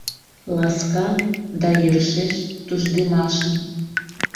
Ласкан да йӧршеш туждымашын